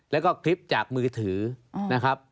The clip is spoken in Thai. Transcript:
แล้วก็คลิปจากมือถือนะครับ